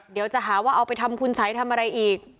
เดี๋ยวจะหาว่าเอาไปทำคุณสัยทำอะไรอีก